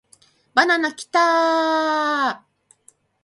バナナキターーーーーー